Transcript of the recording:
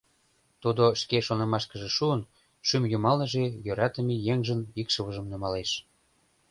Тудо шке шонымашкыже шуын, шӱм йымалныже йӧратыме еҥжын икшывыжым нумалеш.